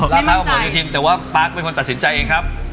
ลาดเท้ากับพระห่วนโยธินตร์แต่ว่าปาร์คเป็นคนตัดสินใจเองครับ